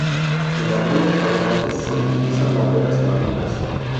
En algunos cuadrantes se utilizan maderas maduras.